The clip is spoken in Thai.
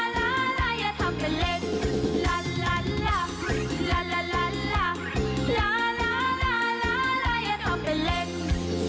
ซุปเปอร์ซุปเปอร์โควิดเจอว์ชื่อเราจะสวยทุกคน